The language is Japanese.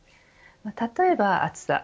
例えば、暑さ。